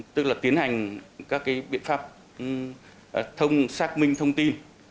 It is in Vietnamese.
tức là tiến hành các biện pháp xác minh thông tin